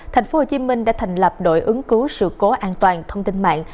tp hcm đã thành lập đội ứng cứu sự cố an toàn thông tin mạng